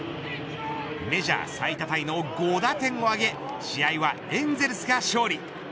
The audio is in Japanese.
メジャー最多タイの５打点を挙げ試合はエンゼルスが勝利。